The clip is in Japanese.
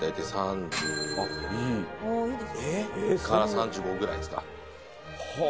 から３５ぐらいですか。